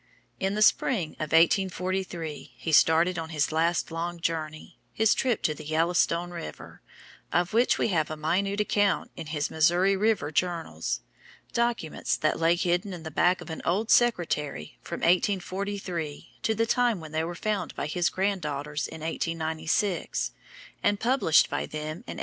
In the spring of 1843 he started on his last long journey, his trip to the Yellow stone River, of which we have a minute account in his "Missouri River Journals" documents that lay hidden in the back of an old secretary from 1843 to the time when they were found by his grand daughters in 1896, and published by them in 1897.